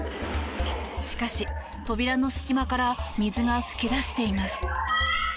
しかし、扉の隙間から水が噴き出しています。